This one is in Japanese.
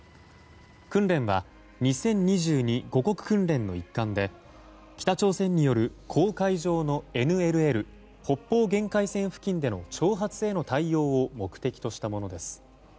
訓練は２０２２護国訓練の一環で北朝鮮による黄海上のＮＬＬ・北方限界線付近での挑発への対応を目的としたものです。